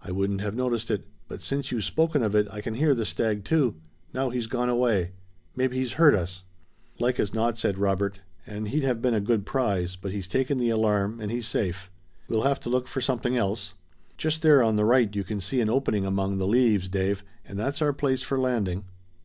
"I wouldn't have noticed it, but since you've spoken of it I can hear the stag too. Now he's gone away. Maybe he's heard us." "Like as not," said Robert, "and he'd have been a good prize, but he's taken the alarm, and he's safe. We'll have to look for something else. Just there on the right you can see an opening among the leaves, Dave, and that's our place for landing."